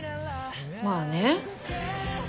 まあね。